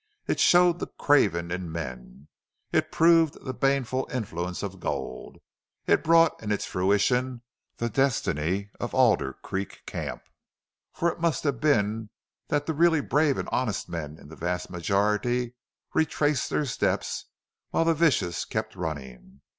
It showed the craven in men; it proved the baneful influence of gold; it brought, in its fruition, the destiny of Alder Creek Camp. For it must have been that the really brave and honest men in vast majority retraced their steps while the vicious kept running.